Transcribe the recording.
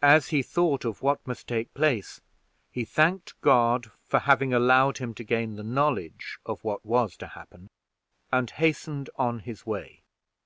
As he thought of what must take place, he thanked God for having allowed him to gain the knowledge of what was to happen, and hastened on his way.